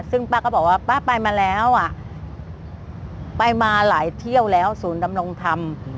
ซึ่งป้าก็บอกว่าป้าไปมาแล้วอ่ะไปมาหลายเที่ยวแล้วศูนย์ดำรงธรรม